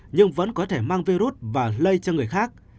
nhưng vẫn có thể mang virus và lây cho người khác